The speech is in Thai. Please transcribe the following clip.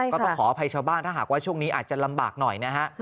ก็ต้องขออภัยชาวบ้านถ้าหากว่าช่วงนี้อาจจะลำบากหน่อยนะฮะ